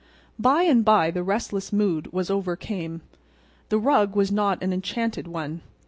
By and by the restless mood was overcome. The rug was not an enchanted one.